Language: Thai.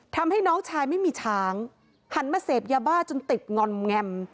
ทำให้น้องชายไม่มีช้างหันมาเสพยาบ้าจนติดงอนแงม